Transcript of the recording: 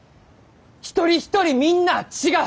一人一人みんなあ違う！